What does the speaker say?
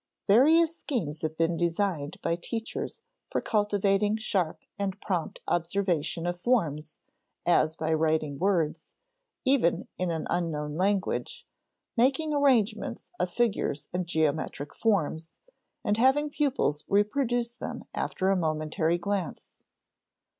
Various schemes have been designed by teachers for cultivating sharp and prompt observation of forms, as by writing words, even in an unknown language, making arrangements of figures and geometrical forms, and having pupils reproduce them after a momentary glance.